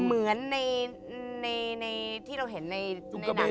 เหมือนในที่เราเห็นในหนัง